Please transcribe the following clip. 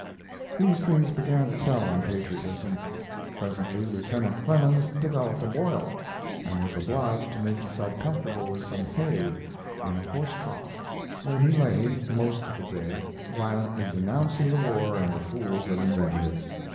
These things began to tell on patriotism. Presently Lieutenant Clemens developed a boil, and was obliged to make himself comfortable with some hay in a horse trough, where he lay most of the day, violently denouncing the war and the fools that invented it.